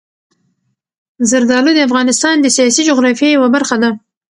زردالو د افغانستان د سیاسي جغرافیې یوه برخه ده.